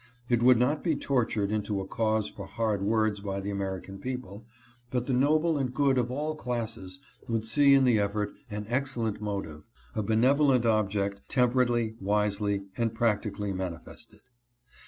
It could not be tortured into a cause for hard words by the American people, but the noble and good of all classes would see in the effort an excellent motive, a benevolent object, tem perately, wisely, and practically manifested.